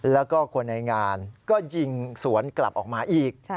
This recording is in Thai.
แล้วก็คนในงานก็ยิงสวนกลับออกมาอีก